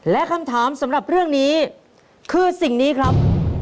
และคำถามสำหรับเรื่องนี้คือสิ่งนี้ครับ